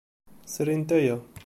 Srint aya.